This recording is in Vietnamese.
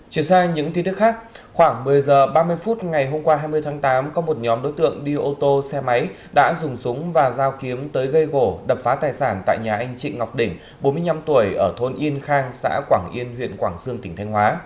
chuyển sang những tin tức khác khoảng một mươi h ba mươi phút ngày hôm qua hai mươi tháng tám có một nhóm đối tượng đi ô tô xe máy đã dùng súng và dao kiếm tới gây gỗ đập phá tài sản tại nhà anh chị ngọc đỉnh bốn mươi năm tuổi ở thôn yên khang xã quảng yên huyện quảng sương tỉnh thanh hóa